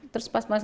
terus pas melihat